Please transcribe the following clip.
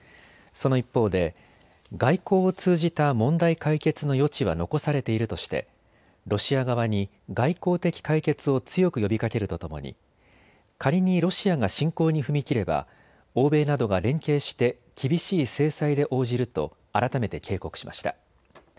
その一方で外交を通じた問題解決の余地は残されているとしてロシア側に外交的解決を強く呼びかけるとともに仮にロシアが侵攻に踏み切れば欧米などが連携して厳しい制裁で応じると改めて警告しました。